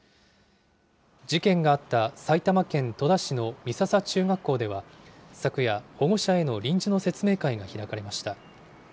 事件があった埼玉県戸田市の美笹中学校では、昨夜、保護者への臨時の説明会が開かれました。